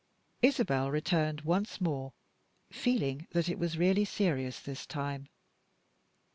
Isabel returned once more, feeling that it was really serious this time.